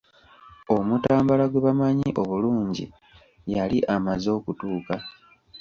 Omutambala gwe bamanyi obulungi yali amaze okutuuka.